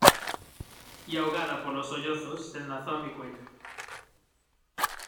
y ahogada por los sollozos se enlazó a mi cuello.